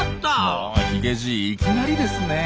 おヒゲじいいきなりですねえ。